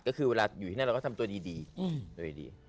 ก็คือเวลาอยู่ที่นั่นเราก็ทำตัวดีโดยดี